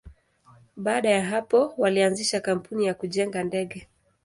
Baada ya hapo, walianzisha kampuni ya kujenga ndege.